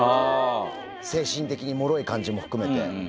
精神的にもろい感じも含めて。